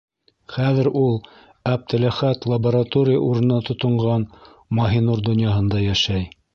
Хәҙер ул Әптеләхәт лаборатория урынына тотонған Маһинур донъяһында йәшәй.